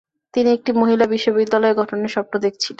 তিনি একটি মহিলা বিশ্ববিদ্যালয় গঠনের স্বপ্ন দেখেছিলেন।